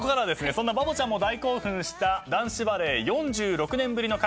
そんなバボちゃんも大興奮した男子バレー４６年ぶりの快挙